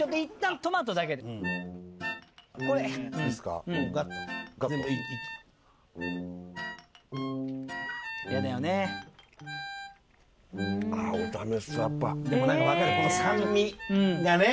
でも分かるこの酸味がね。